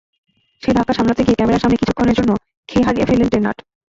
সেই ধাক্কা সামলাতে গিয়ে ক্যামেরার সামনে কিছুক্ষণের জন্য খেই হারিয়ে ফেললেন টেন্নাট।